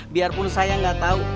biarpun saya gak tau